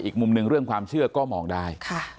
อีกมุมหนึ่งเรื่องความเชื่อก็มองได้